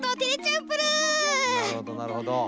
なるほどなるほど。